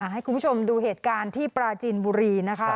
ให้คุณผู้ชมดูเหตุการณ์ที่ปราจีนบุรีนะคะ